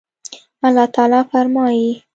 الله تعالى فرمايي